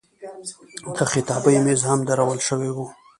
د خطابې میز هم درول شوی و.